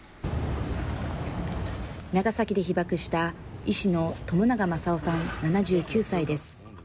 長崎で被爆した医師の朝長万左男さん７９歳です。